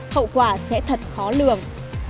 hậu quả sẽ thật khó lường